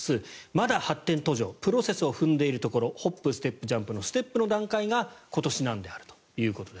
まだ発展途上プロセスを踏んでいるところホップ・ステップ・ジャンプのステップの段階が今年なんですと。